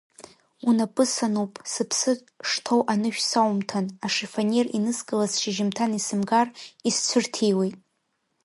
Унапы сануп, сыԥсы шҭоу анышә саумҭан, ашифонер иныскылаз шьыжьымҭан исымгар, исцәырҭиуеит.